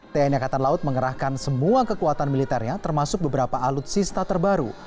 tni angkatan laut mengerahkan semua kekuatan militernya termasuk beberapa alutsista terbaru